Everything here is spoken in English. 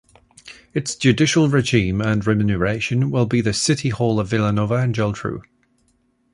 Its judicial regime and remuneration will be the City hall of Vilanova and Geltrú.